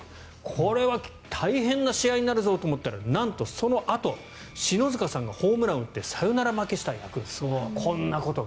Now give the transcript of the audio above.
それは大変な試合になるぞと思ったら、そのあと篠塚さんがホームラン打ってヤクルトがサヨナラ負けした。